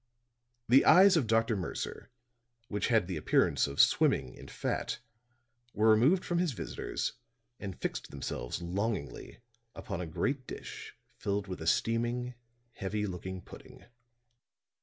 The eyes of Dr. Mercer, which had the appearance of swimming in fat, were removed from his visitors, and fixed themselves longingly upon a great dish filled with a steaming, heavy looking pudding.